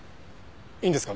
いいんですか？